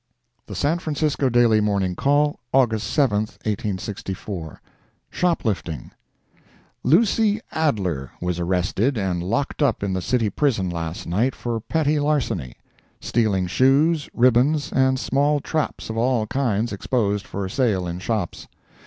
The San Francisco Daily Morning Call, August 7, 1864 SHOP LIFTING Lucy Adler was arrested and locked up in the city prison last night, for petty larceny—stealing shoes, ribbons, and small traps of all kinds exposed for sale in shops.